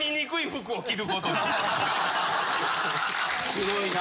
すごいな。